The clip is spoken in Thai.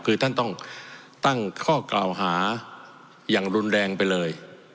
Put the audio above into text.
คือท่านต้องตั้งข้อกล่าวหาอย่างรุนแรงไปเลย